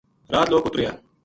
رات لوک اُت رہیا